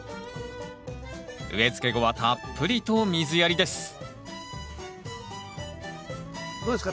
植えつけ後はたっぷりと水やりですどうですか？